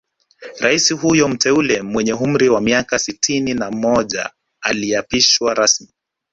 Rais huyo mteule mwenye umri wa miaka sitini na moja aliapishwa rasmi